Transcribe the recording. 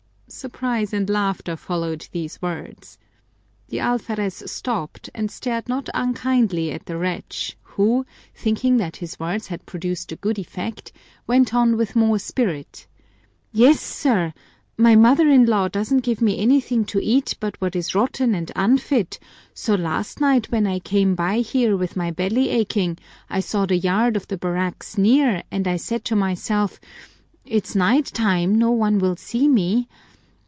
Surprise and laughter followed these words. The alferez stopped and stared not unkindly at the wretch, who, thinking that his words had produced a good effect, went on with more spirit: "Yes, sir, my mother in law doesn't give me anything to eat but what is rotten and unfit, so last night when I came by here with my belly aching I saw the yard of the barracks near and I said to myself, 'It's night time, no one will see me.'